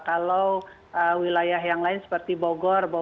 kalau wilayah yang lain seperti bogor